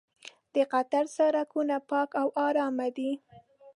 د قطر سړکونه پاک او ارام دي.